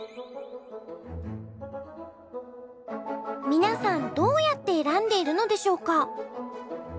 皆さんどうやって選んでいるのでしょうか？